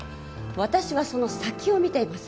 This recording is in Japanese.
私はその先を見ています。